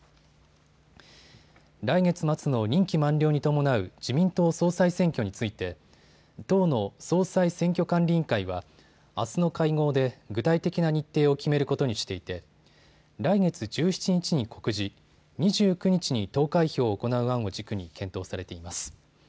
来月末の任期満了に伴う自民党総裁選挙について党の総裁選挙管理委員会はあすの会合で具体的な日程を決めることにしていて来月１７日に告示、２９日に投開票を行う案を軸に検討されています。